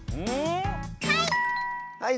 はい！